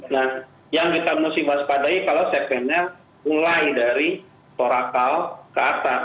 nah yang kita harus diwaspadai kalau segmennya mulai dari thoracal ke atas